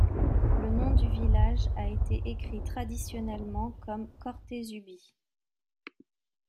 Le nom du village a été écrit traditionnellement comme Cortézubi.